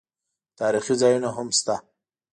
تاریخي ځایونه هم شته.